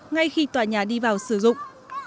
ngay khi tòa nhà đi vào sử dụng